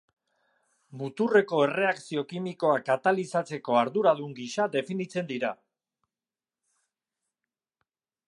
Muturreko erreakzio kimikoak katalizatzeko arduradun gisa definitzen dira.